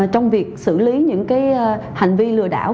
trong việc xử lý những hành vi lừa đảo